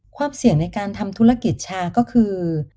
ความเสี่ยงในการทำธุรกิจชาก็คือ